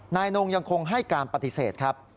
นายนงยังคงให้การปฏิเสธครับ